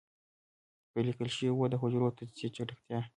پرې ليکل شوي وو د حجرو د تجزيې چټکتيا.